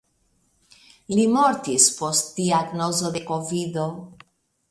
Li mortis post diagnozo de kovido.